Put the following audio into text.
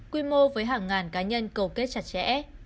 quy mô với hàng ngàn cá nhân cầu kết chặt chẽ